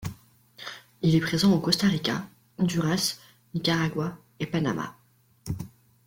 Il est présent au Costa Rica, Honduras, Nicaragua et Panama.